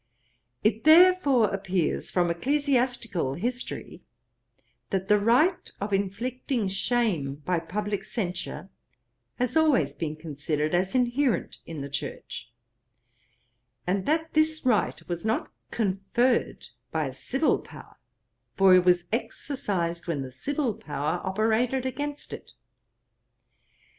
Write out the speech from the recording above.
'It therefore appears from ecclesiastical history, that the right of inflicting shame by publick censure, has been always considered as inherent in the Church; and that this right was not conferred by the civil power; for it was exercised when the civil power operated against it.